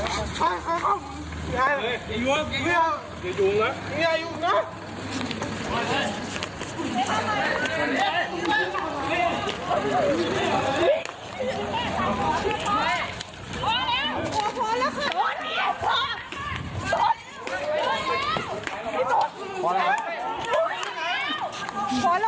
พี่ไววันหนีพี่ไววัน